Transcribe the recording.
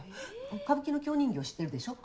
歌舞伎の京人形知ってるでしょ？